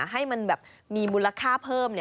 ให้มีมูลค่าเพิ่ม